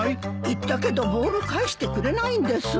いったけどボール返してくれないんです。